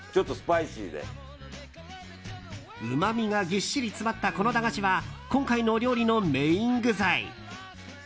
うまみがぎっしり詰まったこの駄菓子は今回の料理のメイン具材。